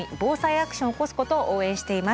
アクションを起こすことを応援しています。